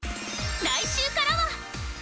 来週からは！